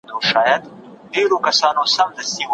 له پوښتنې مه شرمیږئ.